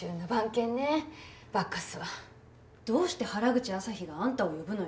どうして原口朝陽があんたを呼ぶのよ。